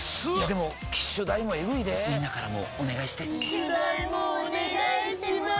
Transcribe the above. でも機種代もエグいでぇみんなからもお願いして機種代もお願いします